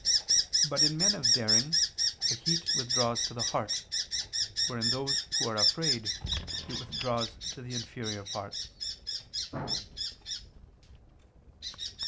But in men of daring the heat withdraws to the heart; whereas in those who are afraid, it withdraws to the inferior parts.